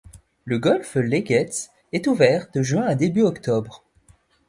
Le golf Les Gets est ouvert de juin à début octobre.